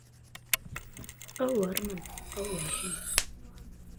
Ҡыуырмын, ҡыуырмын...